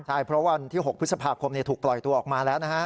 ใช่เพราะวันที่๖พฤษภาคมถูกปล่อยตัวออกมาแล้วนะฮะ